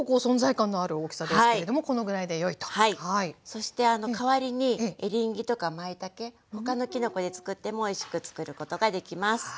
そして代わりにエリンギとかまいたけ他のきのこでつくってもおいしくつくることができます。